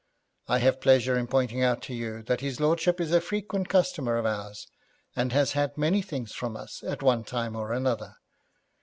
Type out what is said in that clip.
I have pleasure in pointing out to you that his lordship is a frequent customer of ours, and has had many things from us at one time or another.